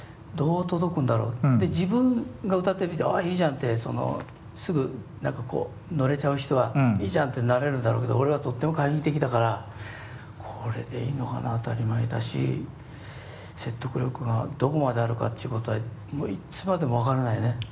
で自分が歌ってみてああいいじゃんってそのすぐ何かこうのれちゃう人はいいじゃんってなれるんだろうけど俺はとっても懐疑的だから「これでいいのかな？当たり前だし説得力がどこまであるかっていうことはいつまでも分からないね。